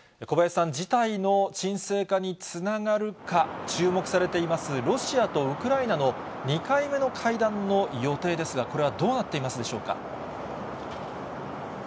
小林さん、事態の沈静化につながるか、注目されています、ロシアとウクライナの２回目の会談の予定ですが、これはどうなっていますでしょうか？